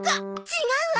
違うわ！